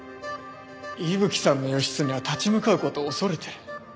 伊吹さんの義経は立ち向かう事を恐れてる。